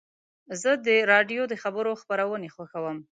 زه د راډیو د خبرو خپرونې خوښوم.